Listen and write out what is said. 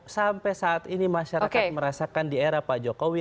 sampai saat ini masyarakat merasakan di era pak jokowi